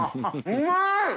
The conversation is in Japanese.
うまい。